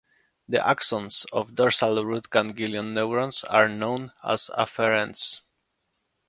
The axons of dorsal root ganglion neurons are known as afferents.